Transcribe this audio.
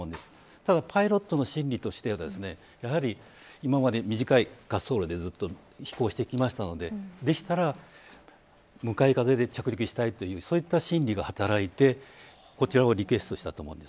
ただ、パイロットの心理としては今まで短い滑走路でずっと飛行してきたのでできたら向かい風で着陸したいというそういった心理が働いてこちらをリクエストしたと思うんです。